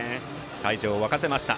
会場を沸かせました